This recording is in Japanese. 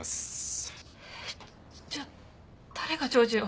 えっじゃあ誰が譲士を？